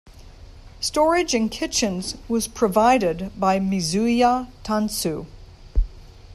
Storage in kitchens was provided by "mizuya tansu".